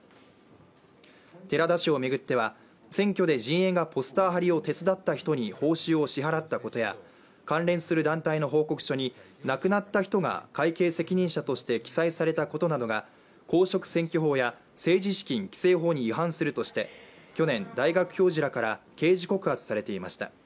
寺田氏を巡っては選挙で陣営がポスター貼りを手伝った人に報酬を支払ったことや関連する団体の報告書に亡くなった人が会計責任者として記載されたことなどが公職選挙法や政治資金規正法に違反するとして去年、大学教授らから刑事告発されていました。